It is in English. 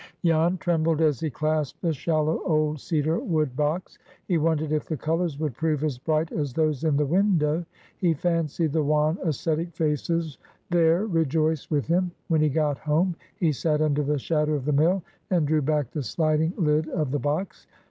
Jan trembled as he clasped the shallow old cedar wood box. He wondered if the colors would prove as bright as those in the window. He fancied the wan, ascetic faces there rejoiced with him. When he got home, he sat under the shadow of the mill, and drew back the sliding lid of the box.